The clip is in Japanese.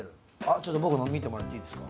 ちょっと僕の見てもらっていいですか？